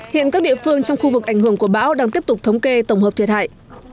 hiện các địa phương trong khu vực ảnh hưởng của bão đang tiếp tục thống kê tổng hợp thiệt hại